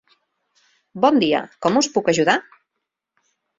Bon dia, com us puc ajudar?